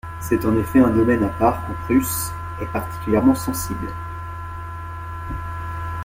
C'est en effet un domaine à part en Prusse est particulièrement sensible.